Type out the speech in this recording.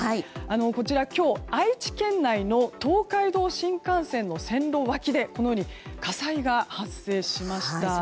こちら今日、愛知県内の東海道新幹線の線路脇でこのように火災が発生しました。